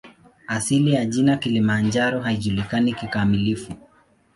Asili ya jina "Kilimanjaro" haijulikani kikamilifu.